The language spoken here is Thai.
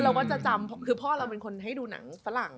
เราก็จะจำคือพ่อเราเป็นคนให้ดูหนังฝรั่ง